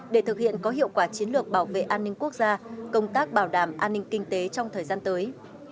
để thực hiện có hiệu quả chiến lược bảo vệ an ninh quốc gia công tác bảo đảm an ninh kinh tế trong thời gian tới